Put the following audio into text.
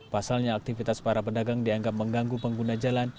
pasalnya aktivitas para pedagang dianggap mengganggu pengguna jalan